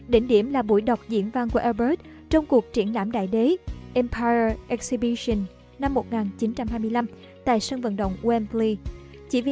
đỉnh điểm là buổi đọc diễn vang của albert trong cuộc triển lãm đại đế empire exhibition năm một nghìn chín trăm hai mươi năm tại sân vận động wembley